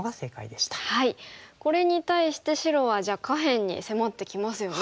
これに対して白は下辺に迫ってきますよね。